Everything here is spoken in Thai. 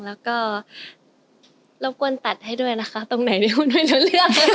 แล้วก็รบกวนตัดให้ด้วยนะคะตรงไหนไม่รู้เรื่อง